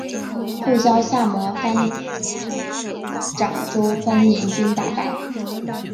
后遭萨摩藩长州藩联军打败。